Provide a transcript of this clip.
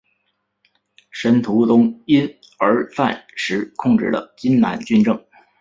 申屠琮因而暂时控制了荆南军政。